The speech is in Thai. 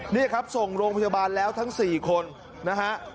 นี่ครับส่งโรงพยาบาลแล้วทั้ง๔คนนะฮะ